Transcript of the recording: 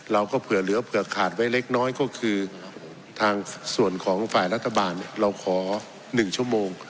เราก็เผื่อเหลือเผื่อขาดไว้เล็กน้อยก็คือทางส่วนของฝ่ายรัฐบาลเราขอ๑ชั่วโมง